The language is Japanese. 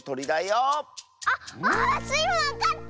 あっああっ⁉スイもわかった！